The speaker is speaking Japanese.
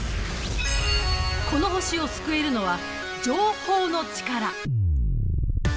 この星を救えるのは情報のチカラ。